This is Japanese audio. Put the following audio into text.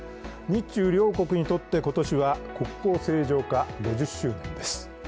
日中両国にとって今年は国交正常化５０周年です。